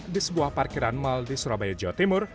di sebuah parkiran mal di surabaya jawa timur